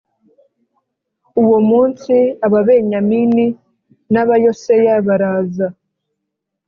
uwo munsi Ababenyamini na yoseya baraza